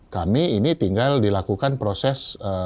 kami ini tinggal dilakukan proses